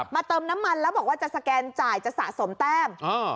เติมน้ำมันแล้วบอกว่าจะสแกนจ่ายจะสะสมแต้ม